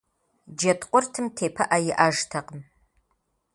Джэдкъуртым тепыӀэ иӀэжтэкъым.